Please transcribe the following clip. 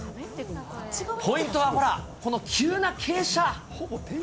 ポイントはほら、この急な傾斜。